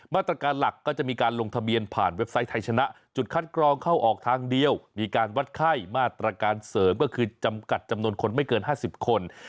มาตรการหลักก็จะมีการลงทะเบียนผ่านเว็บไซต์ไทยชนะจุดคัดกรองเข้าออกทางเดียวมีการวัดไข้มาตรการเสริมก็คือจำกัดจำนวนคนไม่เกิน๕๐คน